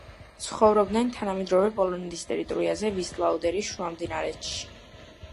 ცხოვრობდნენ თანამედროვე პოლონეთის ტერიტორიაზე ვისლა-ოდერის შუამდინარეთში.